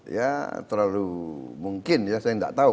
ya terlalu mungkin ya saya nggak tahu